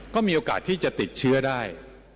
ก็มีโอกาสที่จะติดเชื้อได้